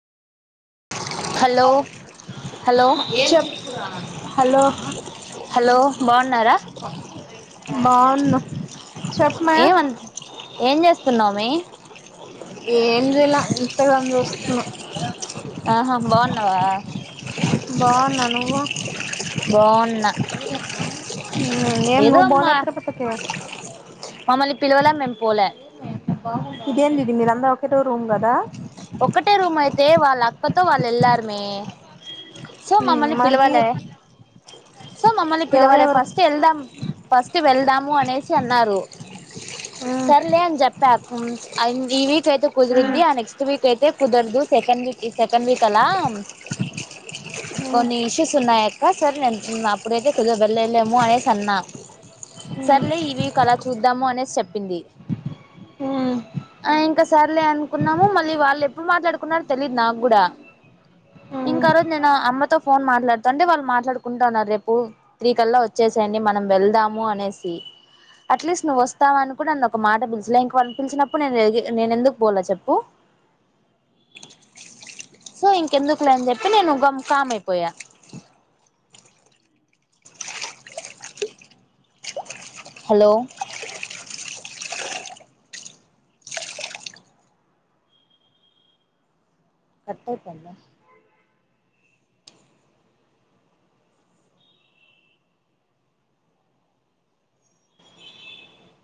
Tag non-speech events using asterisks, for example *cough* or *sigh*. hello పస్త hello *unintelligible* చెప్పు hello hello బాగున్నారా బావున్నా ఏమంత *unintelligible* ఏం చేస్తున్నావు మీ ఏం చేయాల ఇంస్టాగ్రామ్ చూస్తున్నా ఆహా బావున్నావా బావున్నా నువ్వు బాగున్నా ఉం ఏం ఏదో నువ్వు పోలా అమ్మా తిరుపతికి మమ్మల్ని పిలువలా మేము పోలే ఇ దెంది ఇది మీరు అందరు ఒకటే రూమ్ క దా ఒక్కటే రూమ్ అయితే వాళ్ళ అక్కతో వాళ్ళు వెళ్లారమే సో మమ్మల్ని మరి మీరు పిలవలే సో మమ్మల్ని పిలవలే ఎవరెవరు ఫస్ట్ వెళ్దాం ఫస్ట్ వెళ్దాము అనేసి అన్నారు మ్మ్ సర్లే అని చెప్పా ఈ వీక్ అయితే మ్మ్ కుదురుద్ది ఆ నెక్స్ట్ వీక్ అయితే కుదరదు సెకండ్ వీక్ సెకండ్ వీక్ అలా కొన్ని ఇష్యూస్ ఉన్నయి అ సార్ నేను అప్పుడ అయితే కొంచం *unintelligible* వెళ్ళలేమో అనేే స అన్నా మ్మ్ మ్మ్ సర్లే ఇ వీక్ అలా చూద్దాము అనేసి చెప్పింది మ్మ్ ఆ ఇంకా సర్లే అనుకున్నాము మళ్ళీ మళ్ళీ వాళ్ళు ఎప్పుడు మాట్లాడుకున్నారో తెలియదు నాకు కూడా మ్మ్ ఇంకా ఆ రోజు నేను అమ్మతో ఫోన్ మాట్లాడుతంటే వాళ్ళు మాట్లాడుకుంటు ఉన్నారు రేపు త్రీ కల్లా వచ్చే మనం వెళ్దాము అనేసి అట్లీస్ట్ నువ్వు వస్తావ అని కూడా నన్న ఒక మాట పిలిచలే ఇంక వాళ్ళ పిలిచినప్పుడు నేను నేను ఎందుకు పోలే చెప్పు *inaudible* సో ఇంకెందుకులే అని చెప్పి నేను గ కామ్ అయిపోయా *inaudible* హలో కట్ అయిపోయిందా